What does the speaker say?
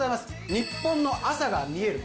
「ニッポンの朝がみえる」